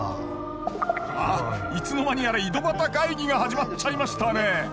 あいつの間にやら井戸端会議が始まっちゃいましたね